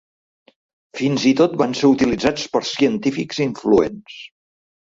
Fins i tot van ser utilitzats per científics influents.